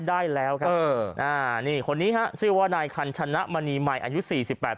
ได้แล้วครับเอออ่านี่คนนี้ฮะชื่อว่านายคันชนะมณีใหม่อายุสี่สิบแปด